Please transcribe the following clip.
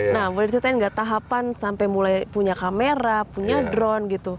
nah boleh diceritain nggak tahapan sampai mulai punya kamera punya drone gitu